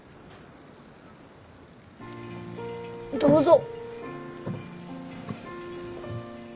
どうぞ。